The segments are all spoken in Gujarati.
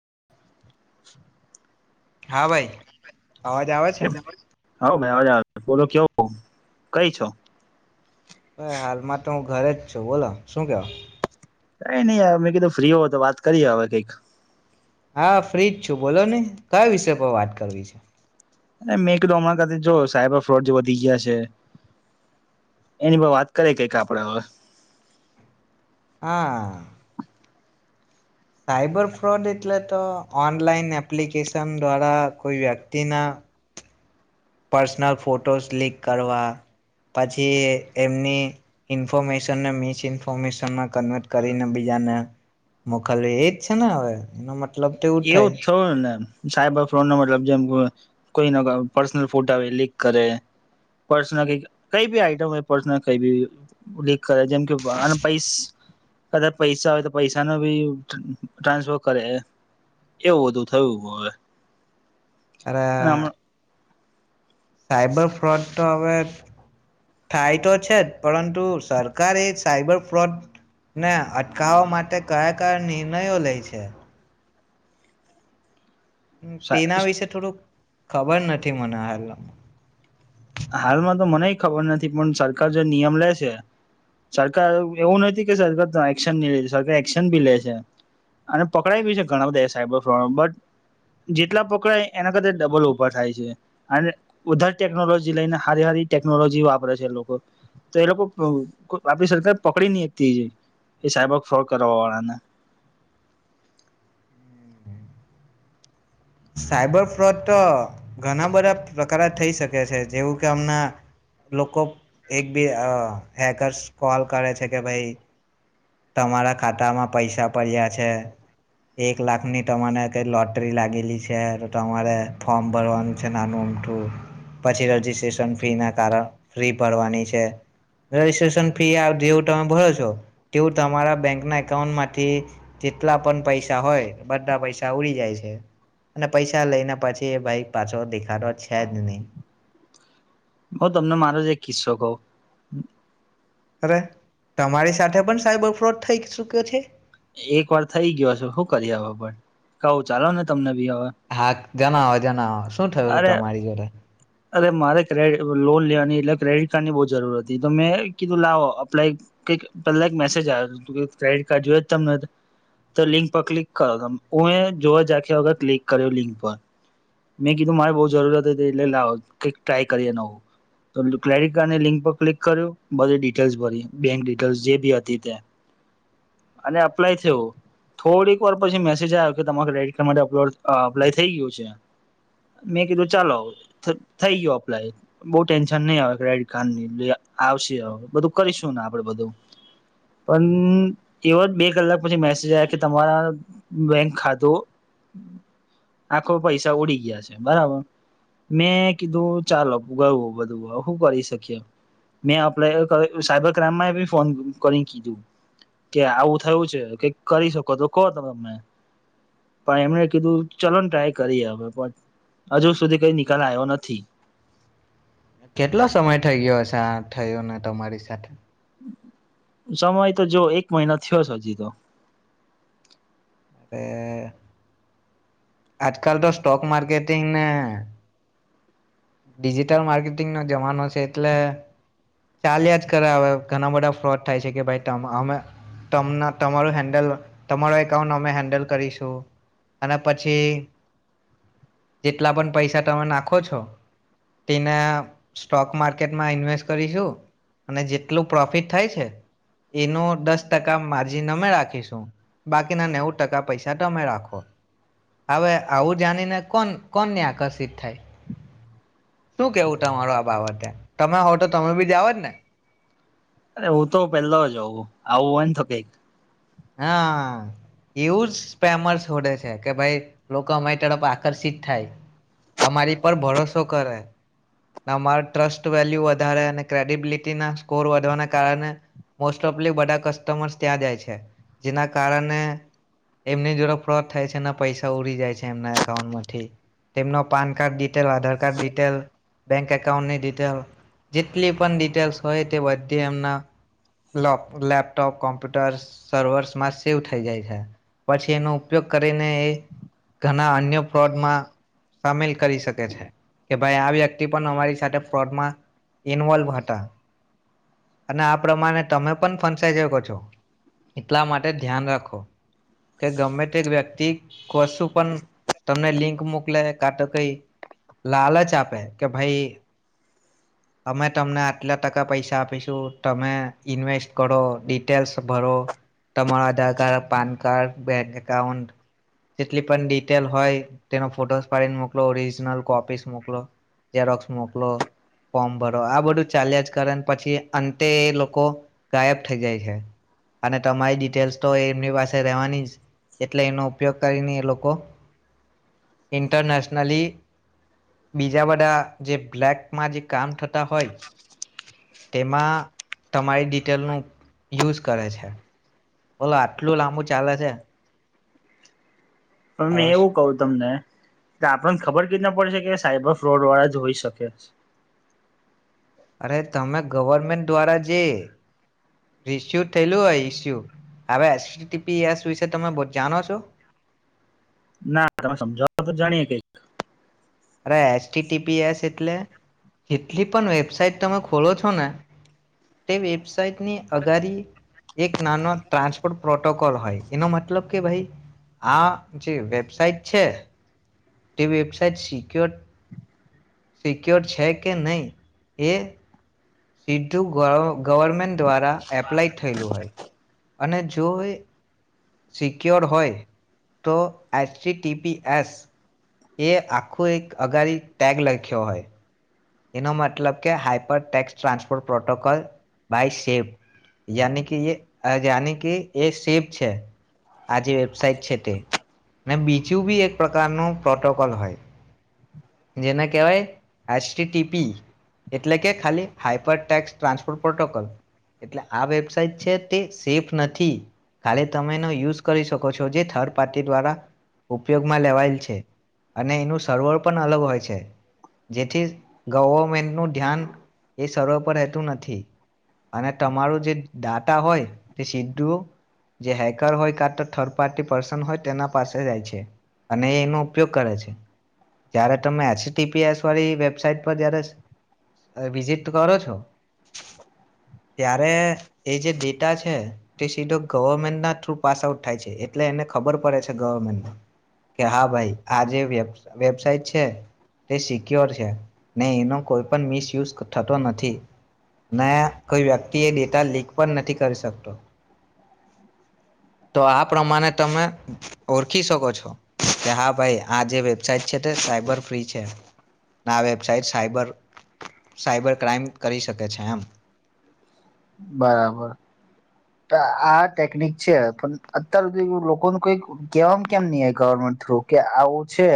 [inaudible] હા ભાઈ અવાજ આવે છે. હઉ ભાઈ અવાજ બોલો કેવ કઈ છો. ભ હાલમાં તો હું ઘરે જ છું બોલો શું કેવા કઈ નઈ મેં કીધું ફ્રી હો તો વાત કરીએ હવે કઈક હા ફ્રીજ છું બોલો ને કયા વિષ પર વાત કરવી છે. અને મે હમણાં જો સાયબર ફ્રોડ જે વધી ગયા છે એની વાત કરે કઈક આપડે હવે હા. સાયબર ફ્રોડ એટલે તો ઓનલાઈન એપ્લિકેશન દ્વારા કોઈ વ્યક્તિના પર્સનલ ફોટોસ ક્લિક કરવા પછી એમની ઈન્ફોર્મેશનને મિસ ઈન્ફોર્મેશનમાં કન્વર્ટ કરીને બીજાને મોકલવી એજ છે ને હવે એનો મત એવું થયું ને સાઈબ ફ્રન ન મતલબ જેમ કોઈ ના પર્સનલ ફોટા આવે લીક કરે પર્સનલ ક કઈ ભી આઈટમ હો પર્સનલ કઈ બી કરે જેમ કે પૈસ કદાચ પૈસા હોય તો પૈસા ન ભી ટ્રાન્સફર કરે એવું બધું થયું હવે અને સાઈબર ફ્રોડ તો હવે થાય તો છે જ પરંતુ સરકાર એ સાઈબર ફ્રોડને અટકાવવા માટે કયા-કયા નિર્ણયો લે છે. તેના વિશે થોડુંક ખબર નથી મને હાલમાં હાલમાં તો મને ખબર નથી પણ સરકાર જો નિયમ લે છે સરકાર એવું નથી કે સરકાર એક્શન નહી લે સરકાર એક્શન બી લે છે અને પકડાય બી છે ઘણા બધા સાયબર પ્રોબ્લેમ બટ જેટલા પકડાય એના કરતા ડબલ ઉભા થાય છે અને વિધાઉટ ટેકનોલોજી લઈને સારી ટેકનોલોજી વાપરે છે એ એ લોકો આપ સર પકડી નહીં શકતી એ સાયબર ફોડ કરવા વાળાના સાયબર ફ્રોડ તો ઘણા બધા પ્રકાર થઈ શકે છે જેવું કે હમણા લોકો એક બી હેકર્સ કોલ કરે છે કે ભાઈ તમારા ખાતામાં પૈસા પડ્યા છે એક લાખની તમારે કઈ લોટરી લાગેલી છે તો તમારે ફોર્મ ભરવાનું છે નાનુંઅમઠું પછી રજીસ્ટ્રેશન ફી ના કારણ ફ્રી ભરવાની છે રજીસ્ટ્રેશન ફી જેવું તમે ભરો છો તેવું તમારા બેંકના એકાઉન્ટમાંથી જેટલા પણ પૈસા હોય બધા પૈસા ઉડી જાય છે અને પૈસા લઈને પછી ભાઈ પાછો દેખાતો છે જ નહી બઉ તમને મારો જ એક કિસ્સો કવ અરે તમારી સાથે પણ સાઈબર ફ્રોડ થઈ ચુક્યો છે એક વાર થઈ ગયો છે શું કરીહુ કરીએ અવ પણ કઉું ચાલો ને તમને બી હવે હા જનાવો જનાવો અરે અરે મારેડ લોન લેવાની એટલે ક્રેડિટ કારડ બવ જરૂર હતી મેતો કીધું લાવો અપ્લાય કઈક પહેલા મેજ આવ કડિટ કાર્ડ જોય જ ત તો લિંક પર ક્લિક કરો ત હું મે જોવા જખ્યા વગર ક્લિક કર્યો લિંક પર મેં કીધું મારે બહુ જરૂરત હતી એટલે લાવો કઈક ટ્રાય કરી નવું તો ક્રેડિટ કાર્ડની લિંક પર ક્લિક કર્યું બધી ડિટેલ્સ ભરી બેંક ડિટેલ્સ જે બી હતી તે અને અપ્લાય થયું થોડીક વાર પછી મેસેજ આવ્યો કે તમારે ક્રેડિટ કાર્ડ માટે અપલોડ અપ્લાય થઈ ગયું છે મેં કીધું ચાલો થઈ ગયો અપ્લાય બહ ટેન્શન નહી આવે ક્રેડિટ કાર્ડ ની આવશે બધું કરીશું ને આપડે બધું પણ એવો બે કલાક પછી મેસેજ આવ કે તમારા બેંક ખાતો આખો પૈસા ઉડી ગયા મેં કીધું ચાલો ગયું બધું શું કરી શકીએ મે અપ્લાય સાયબર ક્રાઈમમાં બી ફોન કરી કીધું કે આવું થયું છે કે કરી શકો તો કો ત તમે પણ એમને કીધું ચલો ને ને ટ્રાય કરી હવે હજુ સુધી કઈ નિકાલ આવ્યો નથી કેટલો સમય થઇ ગયો હશે થયો ને તમારી સાથે સમય તો જો એક મહિના થયો હજી તો તે આજકાલ તો સ્ટોક માર્કેટિંગ ને ડિજિટલ માર્કેટિંગ નો જમાનો છે એટલે ચાલ્યા જ કરે હ ઘણા બધા ફ્રોડ થાય છે કે ભાઈ અમે તમારું હેન્ડલ તમારો એકાઉન્ટ અમે હેન્ડલ કરીશું અને પછી જેટલા પણ પૈસા તમે નાખો છો તેને સ્ટોક માર્કેટમાં ઇન્વેસ્ટ કરીશું અને જેટલું પ્રોફિટ થાય છે એનું દસ ટકા માર્જિન અમે રાખીશું બાકીના નેવું ટકા પૈસા તમે રાખો હવે આવું જાણીને કો કોને આકર્ષિત થાય શું કેવું તમાર આ બાબતે તમે તો તમે બી જાઓજ ને અરે હું તો પેલા જ હોું આવું હોય તો કઈક હા એવું જ સ્પેમર છોડે છે કે ભાઈ લોકો અમારી તરફ આકર્ષિત થાય અમારી પર ભરોસો કરે અમારો ટ્રસ્ટ વેલ્યુ વધારે અને ક્રેડિબિલિટીના સ્કોર વધવાના કારણે મોસ્ટ ઓફ બધા કસ્ટમર્સ ત્યાં જાય છે જેના કારણે એમની જોડ ફ્રોડ થાય છે ના પૈસા ઉડી જાય છે એમના એકાઉન્ટમાંથી તેમના PAN card detail Aadhaar card detail bank એકાઉન્ટની ડિટેલ જેટલી પણ ડિટેલ્સ હોય તે બધી એમના લેપટોપ કોમ્પ્યુટર્સ સર્વર્સમાં સેવ થઈ જાય છે પછી એનો ઉપયોગ કરીને એ ઘણા અન્ય ફ્રોડમાં સામેલ કરી શકે છે કે ભાઈ આ વ્યક્તિ અમારી સાથે ફ્રોડમાં ઇન્વોલ્વ હતા અને આ પ્રમાણે તમે પણ ફંસાાઈ શકો છો એટલા માટે ધ્યાન રાખો કે ગમે તે વ્યક્તિ કશું પણ તમને લિંક મોકલે કા તો કઈ લાલચ આપે કે ભાઈ અમે તમને આટલા ટકા પૈસા આપીશું તમે ઇન્વેસ્ટ કરો ડિટેલ્સ ભરો તમારો Aadhaar card PAN card bank account જેટલી પણ ડિટેલ હોય તેનો ફોટોસ પાડીને મોકલો ઓરિજનલ કોપીસ મોકલો ઝરોક્સ મોકલો ફોર્મ ભરો આ બધું ચાલ્યા જ કરે પછી અંતે એ લોકો ગાયબ થઈ જાય છે અને તમારી ડિટેલ્સ તો એમની પાસે રહેવાની જ એટલે એનો ઉપયોગ કરીને એ લોકો ઇન્ટરનેશનલી બીજા બધા જે બ્લેકમાં જે કામ થતા હોય તેમાં તમારી ડિટેલનું યુઝ કરે છે બોલો આટલું લાંબુ ચાલે છે હવે મે એવું કહ તમને એ આપણને ખબર કેવી રીત ના પડશે કે સાઈબર ફ્રોડ વાળા જ હોઈ શકે અરે તમે ગવમેન્ટ દ્વારા જે રિસ્યુ થયેલું હોય ઈસ્યુ હવે એસપી એસ વિશે તમે જાણો છો ના તમે સમજાવ તો જાણીએ કઈક અરે એસટી ટીપી એસ એટલે જેટલી પણ વેબસાાઈટ તમે ખોલો છો ને તે વેબસાાઈટની અગારી એક નાનો ટ્રાન્સપોર્ટ પ્રોટોકોલ હોય એનો મતલબ કે ભાઈ આ જે વેબસાઈટ છે તે વેબસાઇટ સિક્યોર સિક્યોર છે કે નહીં એ સીધું ગ ગવર્મેન્ટ દ્વારા એપ્લાય થયેલું હોય અને જોએ સિક્યોર હોય તો એચ સી ટીપી એસ એ આખું એક અગારી ટેગ લખ્યો હોય એનો મતલબ કે hyper text transport protocol by સેપ યાની કે જાયાની કે એ સેપ છે આ જે વેબસાઇટ છે તે ને બીજું બી એક પ્રકારનું પ્રોટોકોલ હોય જેને કહેવાય ટી ટીપી એટલે કે ખાલી હાઈપર ટેક્સ ટ્રાન્સપોર્ટ પ્રોટોકોલ એટલે આ વેબસાઇટ છે તે સેફ નથી ખાલી તમે એનો યુઝ [unintelligible] છો જે થર્ડ પાર્ટી દ્વારા ઉપયોગમાં લેવાયેલ છે અને એનું સર્વર પણ અલગ હોય છે જેથી ગવર્મેન્ટનુંું ધ્યાન એ સર્વ પર રહેતું નથી અને તમારું જે ડાટા હોય તે સીધું જે હેકર હોય કા તો થર્ડ પાર્ટી પર્સન હોય તેના પાસે જાય છે અને એનો ઉપયોગ કરે છે જય્યારે તમે એચપીએસ વાળી વેબસાઇટ પર જયારે વિઝિટ કરો છો ત્યારે એ જે ડેટા છે તે સીધો ગવર્મેન્ટના થ્રુ પાસ આઉટ થાય છે એટલે એને ખબર પડે છે ગવર્મેન્ટ કે હા ભાઈ આ જે વેબ વેબસાઇટ છે તે સિક્યોર છે નહી એનો કોઈ પણ મિસયુઝ થતો નથી ને કોઈ વ્યક્તિ એ ડેટા લીક પણ નથી કરી શકતો તો આ પ્રમાણે તમે ઓળખી શકો છો કે હા ભાઈ આ જે વેબસાાઈટ છે તે સાયબર ફ્રી છે વબ સાઇટ સાબર સાયબર ક્રાઈમ કરી શકે છે એમ બરાબર કા આ ટેકનિક છે પણ અત્યાર હુધી લોકોનું કોઈ કહેવાવામાં કેમ નહી ગવર્મેન્ટ થ્રુ કે આવું છે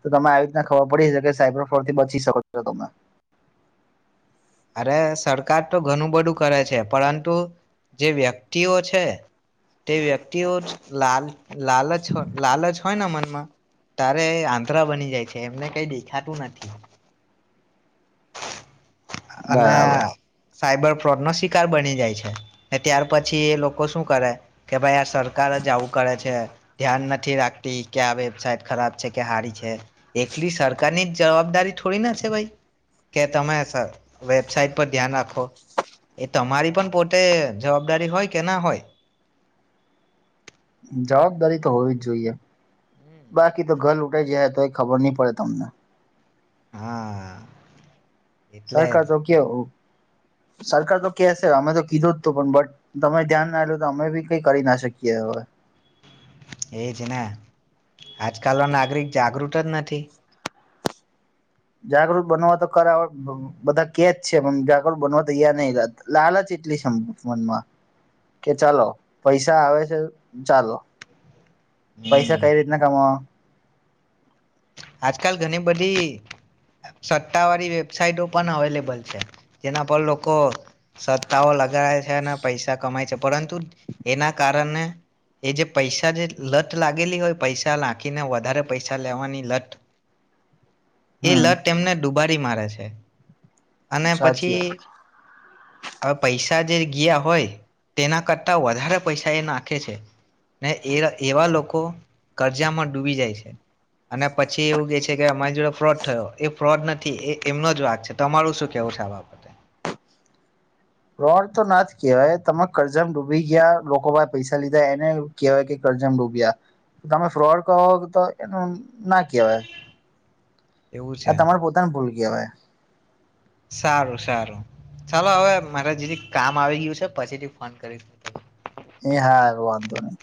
તો તમે આવી રીતને ખબર પડીશે કે સાયબર ફોર થી બચી શકો છો તમે અરે સરકાર તો ઘણું બધું કરે છે પરંતુ જે વ્યક્તિઓ છે તે વ્યક્તિઓ જ લાલ લાલચ હોયે લાલચ હોયને મનમાં તારે આંદ્રા બની જાય છે એમને કઈ દેખાતું નથી અને બરાબર સાયબર ફ્રોડ નો શિકાર બની જાય છે ને ત્યાર પછી એ લોકો શું કરે કે ભાઈ આ સરકાર જ આવું કરે છે ધ્યાન નથી રાખતી કે આ વેબસાઇટ ખરાબ છે કે સારી છે એટલી સરકારની જ જવાબદારી થોડી ના છે ભાઈ કે તમે વેબસાઇટ પર ધ્યાન રાખો એ તમારી પણ પોતે જવાબદારી હોય કે ના હોય જવાબદારી તો હોવી જ જોઈએ હમ બાકી તો ઘર લુટાઈ જાય તો એ ખબર નહી પડે તમને હા એટલે સરકાર જ તો કે સરકાર તો કેશે અમે તો કીધું જ તો પણ બટ તમે ધ્યાન નાલું તો અમે બી કઈ કરી ના શકીએ હવે એજ ને આજકાલનો નાગરિક જાગૃત જ નથી જાગૃત બનવા તો કર બ બધા કેજ છે પણ જાગૃત બનવા તો નહી લ લાલચ એટલી છે મન મનમાં કે ચાલો પૈસા આવે છે ચાલો હમ પૈસા કઈ રીતના કમા આજકાલ ઘણી બધી સત્તા વાળી વેબસાઇટો પણ અવેલેબલ છે જેના પર લોકો સત્તાઓ લગાએ છે અને પૈસા કમાય છે પરંતુ એના કારણે એ જે પૈસા જે લત લાગેલી હોય પૈસા નાખીને વધારે પૈસા લેવાની લટ એ હમ લત તેમને ડૂબ બરી મારે છે અને સાચી પછી હવે પૈસા જે ગીયા હોય તેના કરતા વધારે પૈસા એ નાખે છે ને એ એ એવા લોકો કરજામાં ડૂબી જાય છે અને પછી એવું કે છે કે અમારી જોડે ફ્રોડ થયો એ ફ્રોડ નથી એ એમનો જ વાક છે તમારું શું કેવું છે આ બાબતે ફ્રોડ તો ના જ કહેવાય તમે કરજા મા ડૂબી ગયા લોકો પાહે પૈસા લીધા એને કહેવાય કે કરજા મા ડૂબ્યા તમે ફ્રોડ કો તો એવુ ના કહેવાય એવું એ છે તમારી પોતા ની ભૂલ કહેવાયે સારું સારું ચાલો હવે મારે જીરીક કામ આવી ગયું છે પછીથી ફોન કરી એ હા એ વાંધો નહી